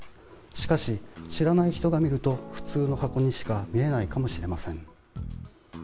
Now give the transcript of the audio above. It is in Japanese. しかし、知らない人が見ると普通の箱にしか見えないかもしれません。